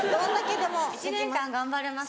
１年間頑張れます。